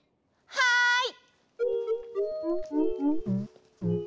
はい！